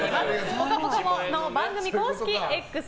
「ぽかぽか」の番組公式Ｘ